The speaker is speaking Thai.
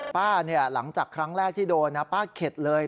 หลังจากครั้งแรกที่โดนนะป้าเข็ดเลย